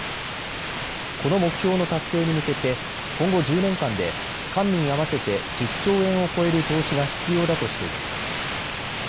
この目標の達成に向けて今後１０年間で官民合わせて１０兆円を超える投資が必要だとしています。